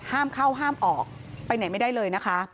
ห้ามเข้าห้ามออกไปไหนไม่ได้เลยนะคะ